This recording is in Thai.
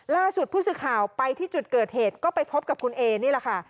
ล่าสุดผู้สื่อข่าวไปที่จุดเกิดเหตุก็ไปพบกับคุณเอนี่แหละค่ะ